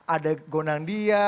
ada gondang dia